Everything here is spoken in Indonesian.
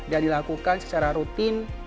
dan dilakukan secara rutin